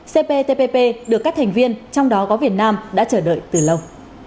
cptpp được các thành viên trong đó có việt nam đã chờ đợi từ lâu